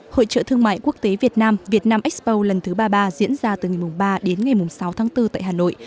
hội trợ thương mại quốc tế việt nam việt nam expo lần thứ ba mươi ba diễn ra từ ngày ba đến ngày sáu tháng bốn tại hà nội